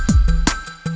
gak ada yang nungguin